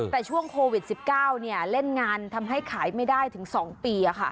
แต่ช่วงโควิด๑๙เล่นงานทำให้ขายไม่ได้ถึง๒ปี